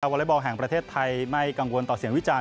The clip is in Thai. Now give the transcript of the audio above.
วอเล็กบอลแห่งประเทศไทยไม่กังวลต่อเสียงวิจารณ